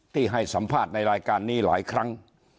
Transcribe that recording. ให้สัมภาษณ์ในรายการนี้หลายครั้ง